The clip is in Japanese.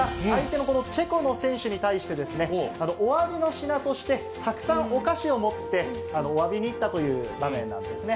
このチェコの相手の選手に対して、おわびの品としてたくさんお菓子を持って、おわびに行ったという場面なんですね。